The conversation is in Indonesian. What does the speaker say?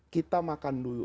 kita makan dulu